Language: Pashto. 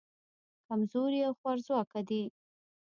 کمزوري او خوارځواکه دي.